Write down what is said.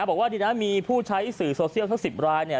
บอกว่าดีนะมีผู้ใช้สื่อโซเชียลทั้ง๑๐รายเนี่ย